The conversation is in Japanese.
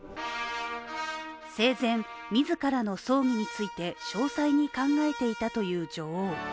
生前、自らの葬儀について詳細に考えていたという女王。